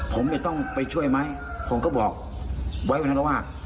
ผมจะต้องไปช่วยไหมผมก็บอกไว้วันนั้นแล้วว่า